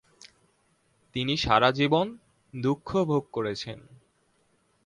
তিনি সারা জীবন দুঃখভোগ করেছেন।